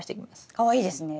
かわいいですね。